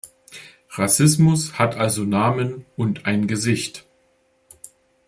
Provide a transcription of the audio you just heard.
Rassismus hat also Namen und ein Gesicht.